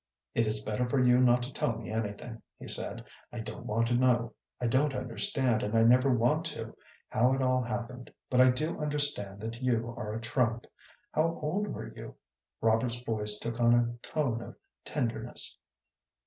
"It is better for you not to tell me anything," he said; "I don't want to know. I don't understand, and I never want to, how it all happened, but I do understand that you are a trump. How old were you?" Robert's voice took on a tone of tenderness.